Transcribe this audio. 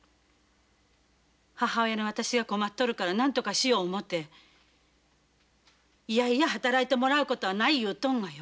母親の私が困っとるからなんとかしよう思ていやいや働いてもらうことはない言うとんがよ。